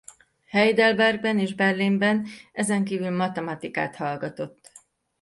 Heidelbergben és Berlinben ezenkívül matematikát hallgatott.